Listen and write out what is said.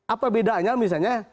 apa bedanya misalnya